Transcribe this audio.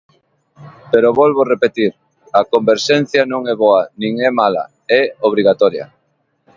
Pero volvo repetir, a converxencia non é boa nin é mala, é obrigatoria.